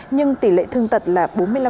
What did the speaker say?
nhưng tỷ lệ thương tật là bốn mươi năm